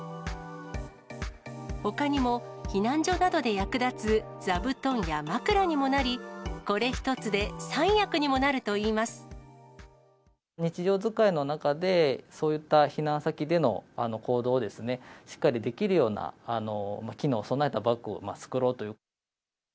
ほかにも避難所などで役立つ座布団や枕にもなり、これ１つで、日常使いの中で、そういった避難先での行動をしっかりできるような機能を備えたバッグを作ろうという。